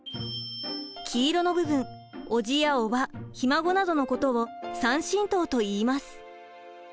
黄色の部分おじやおばひ孫などのことを「３親等」と言います。